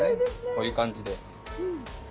こういう感じで。